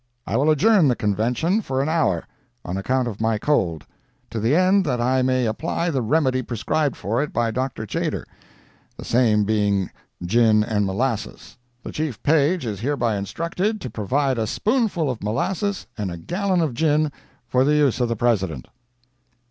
I will adjourn the Convention for an hour, on account of my cold, to the end that I may apply the remedy prescribed for it by Dr. Tjader—the same being gin and molasses. The Chief Page is hereby instructed to provide a spoonful of molasses and a gallon of gin, for the use of the President."